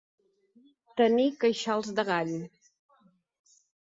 Tenir queixals de gall.